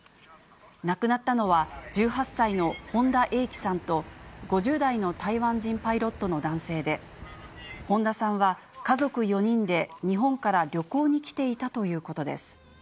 亡くなったのは、１８歳の本田英希さんと、５０代の台湾人パイロットの男性で、本田さんは家族４人で日本から旅行に来ていたということです。